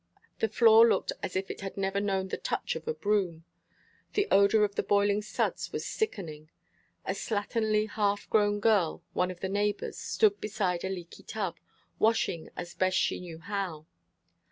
The floor looked as if it had never known the touch of a broom. The odor of the boiling suds was sickening. A slatternly, half grown girl, one of the neighbors, stood beside a leaky tub, washing as best she knew how.